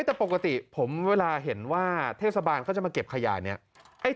แต่ปกติผมเวลาเห็นว่าเทศบาลเขาจะมาเก็บขยายเนี่ย